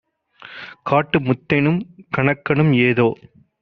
"காட்டுமுத்" தெனும் கணக்கனும் ஏதோ